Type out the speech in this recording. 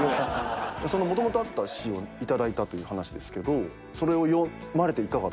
そのもともとあった詞を頂いたという話ですけどそれを読まれていかがだったんですか？